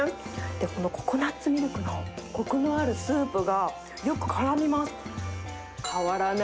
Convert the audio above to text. このココナツミルクのこくのあるスープが、よくからみます。